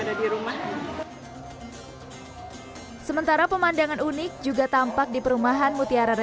ada di rumah sementara pemandangan unik juga tampak di perumahan mutiara